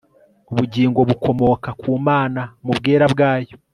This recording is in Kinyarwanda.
ubugingo bukomoka ku mana mubwera bwayo